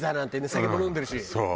酒も飲んでるし。